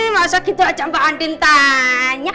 masa gitu aja mbak andin tanya